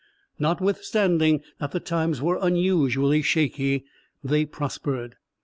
Notwithstanding that the times were unusually "shaky," they prospered.